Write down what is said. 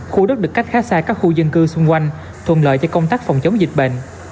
khu đất được cách khá xa các khu dân cư xung quanh thuận lợi cho công tác phòng chống dịch bệnh